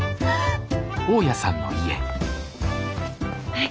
はい。